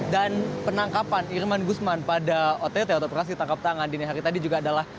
dan penangkapan irman gusman pada ott operasi tangkap tangan dini hari tadi juga adalah